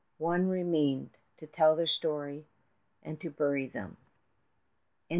One remained To tell their story, and to bury them. A. G.